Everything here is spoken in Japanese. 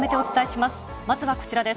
まずはこちらです。